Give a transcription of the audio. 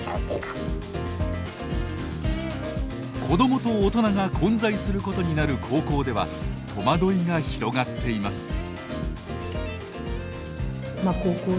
子どもと大人が混在することになる高校では戸惑いが広がっています。